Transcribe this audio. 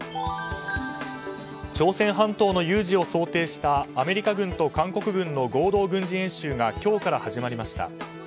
朝鮮半島の有事を想定したアメリカ軍と韓国軍の合同軍事演習が今日から始まりました。